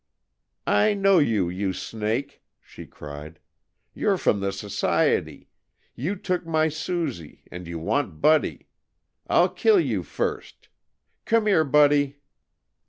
"I know you, you snake!" she cried. "You 're from the Society. You took my Susie, and you want Buddy. I'll kill you first. Come here, Buddy!"